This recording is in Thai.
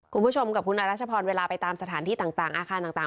คุณผู้ชมกับคุณอารัชพรเวลาไปตามสถานที่ต่างอาคารต่าง